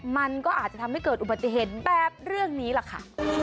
มันก็อาจจะทำให้เกิดอุบัติเหตุแบบเรื่องนี้แหละค่ะ